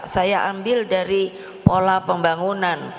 saya ambil dari pola pembangunan